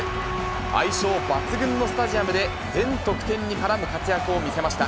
相性抜群のスタジアムで、全得点に絡む活躍を見せました。